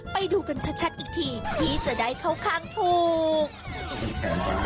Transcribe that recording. ไปดูกันชัดอีกทีที่จะได้เข้าข้างถูก